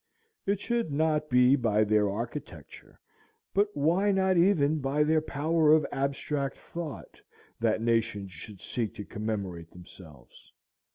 It should not be by their architecture, but why not even by their power of abstract thought, that nations should seek to commemorate themselves?